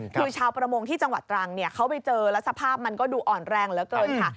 คือชาวประมงที่จังหวัดตรังเขาไปเจอแล้วสภาพมันก็ดูอ่อนแรงเหลือเกินค่ะ